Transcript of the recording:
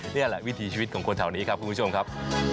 นี่แหละวิถีชีวิตของคนแถวนี้ครับคุณผู้ชมครับ